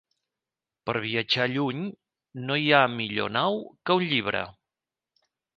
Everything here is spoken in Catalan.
'Per viatjar lluny, no hi ha millor nau que un llibre'.